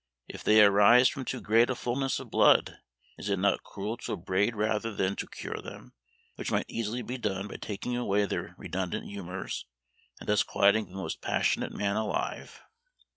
If they arise from too great a fulness of blood, is it not cruel to upbraid rather than to cure them, which might easily be done by taking away their redundant humours, and thus quieting the most passionate man alive?